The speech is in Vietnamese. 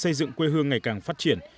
xây dựng quê hương ngày càng phát triển